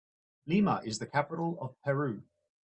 Lima is the capital of Peru.